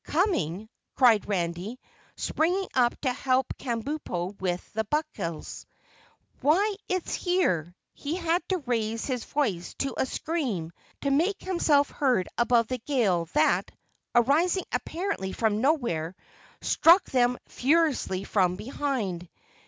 "Coming?" cried Randy, springing up to help Kabumpo with the buckles. "Why, it's here." He had to raise his voice to a scream to make himself heard above the gale that, arising apparently from nowhere, struck them furiously from behind.